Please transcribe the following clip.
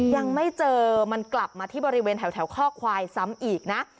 ยังไม่เจอมันกลับมาที่บริเวณแถวข้อควายซ้ำอีกนะ